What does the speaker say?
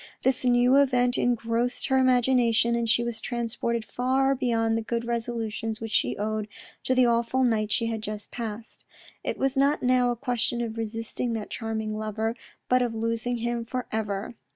This new event engrossed her imagination, and she was transported far beyond the good resolutions which she owed to the awful night she had just passed. It was not now a question of resisting that charming lover, but of losing him for ever.